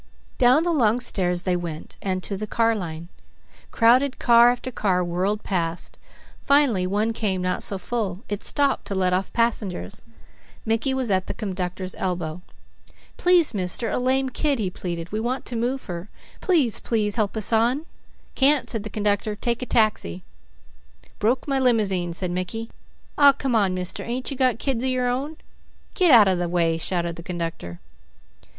Down the long stairs they went and to the car line. Crowded car after car whirled past; finally one came not so full, it stopped to let off passengers. Mickey was at the conductor's elbow. "Please mister, a lame kid," he pleaded. "We want to move her. Please, please help us on." "Can't!" said the conductor. "Take a taxi." "Broke my limousine," said Mickey. "Aw come on mister; ain't you got kids of your own?" "Get out of the way!" shouted the conductor.